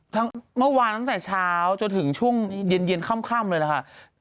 เมื่อวานตั้งแต่เช้าจนถึงช่วงเย็นค่ำเลยล่ะค่ะ